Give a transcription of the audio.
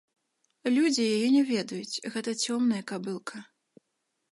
Людзі яе не ведаюць, гэта цёмная кабылка.